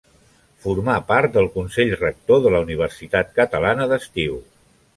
Formà part del Consell rector de la Universitat Catalana d'Estiu.